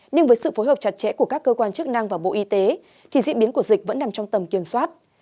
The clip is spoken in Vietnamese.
nhưng với sự phối hợp chặt chẽ của các cơ quan chức năng và bộ y tế thì diễn biến của dịch vẫn nằm trong tầm kiểm soát